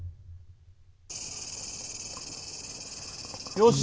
よし。